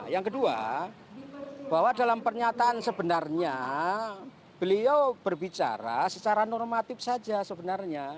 yang kedua bahwa dalam pernyataan sebenarnya beliau berbicara secara normatif saja sebenarnya